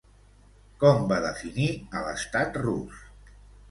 Com va definir a l'estat rus?